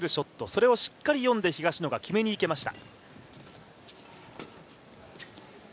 それをしっかり読んで東野が決めにいけました。